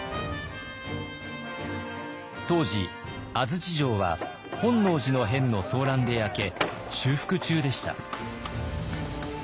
当時安土城は本能寺の変の争乱で焼け修復中でした。